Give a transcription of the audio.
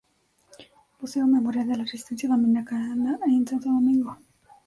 Museo Memorial de la Resistencia Dominicana, en Santo Domingo.